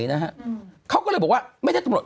คุณหนุ่มกัญชัยได้เล่าใหญ่ใจความไปสักส่วนใหญ่แล้ว